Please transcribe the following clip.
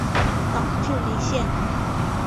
岛智里线